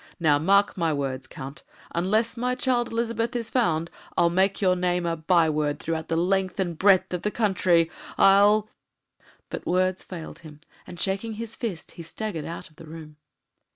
Now, mark my words, Count, unless my child Elizabeth is found, I'll make your name a byword throughout the length and breadth of the country I'll "; but words failed him, and, shaking his fist, he staggered out of the room.